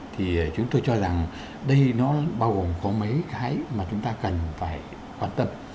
thì chúng tôi cho rằng đây nó bao gồm có mấy cái mà chúng ta cần phải quan tâm